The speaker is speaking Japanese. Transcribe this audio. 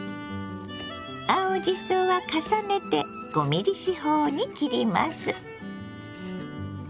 青じそは重ねて５ｍｍ四方に切ります。